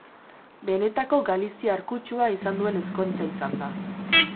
Benetako galiziar kutsua izan duen ezkontza izan da.